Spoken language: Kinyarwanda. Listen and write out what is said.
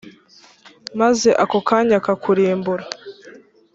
maze ako kanya akakurimbura.